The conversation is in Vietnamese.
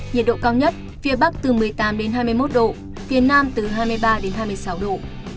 nhiệt độ cao nhất phía bắc từ một mươi tám đến hai mươi một độ phía nam từ hai mươi ba đến hai mươi sáu độ